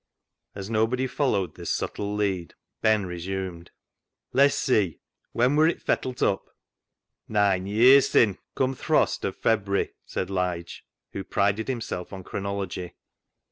As nobody followed this subtle lead, Ben resumed —" Le'ss see ; when wur it fettlet up ?"" Nine ye'r sin', cum th' frost of February," said Lige, who prided himself on chronology.